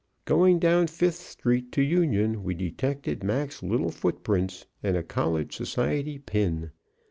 "Going down Fifth Street to Union, we detected Mac's little foot prints and a college society pin.